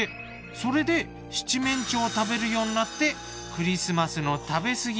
それで七面鳥を食べるようになってクリスマスの食べ過ぎ